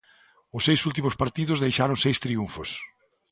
Os seis últimos partidos deixaron seis triunfos.